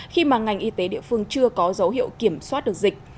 khi mà ngành y tế địa phương chưa có dấu hiệu kiểm soát được dịch